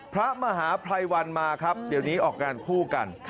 พระมหาภัยวันมาครับเดี๋ยวนี้ออกงานคู่กัน